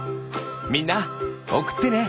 みんなおくってね！